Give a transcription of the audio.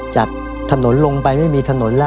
ทางกันลงไปไฟมีถนนเล่ม